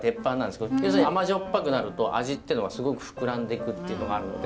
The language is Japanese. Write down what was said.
要するに甘じょっぱくなると味ってのはすごく膨らんでいくっていうのがあるので。